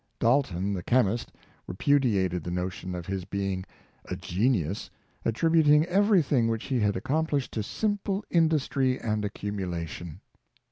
Dalton, the chemist, repudiated the notion of his be ing '^ a genius," attributing everything which he had accomplished to simple industry and accumulation.